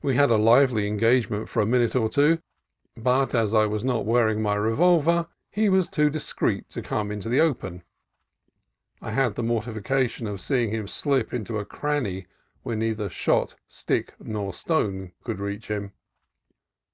We had a lively engagement for a minute or two, but as I was not A DEBATE WITH CHINO 151 wearing my revolver and he was too discreet to come into the open, I had the mortification of seeing him slip into a cranny where neither shot, stick, nor stone could reach him.